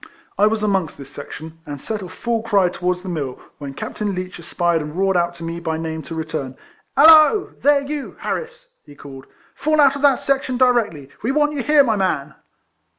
I was amongst this section, and set off full cry towards the mill, when Captain Leech espied and roared out to me by name to return. —" Hallo ! there, you Harris !" he called, " fall out of that section directly. We want you here, my man."